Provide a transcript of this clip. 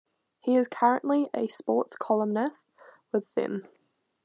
He is currently a sports columnist with them.